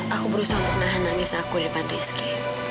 aku berusaha untuk menahan nangis aku di depan rizky